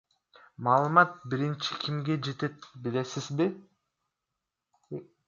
Маалымат биринчи кимге жетет, билесизби?